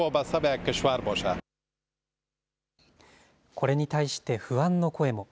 これに対して不安の声も。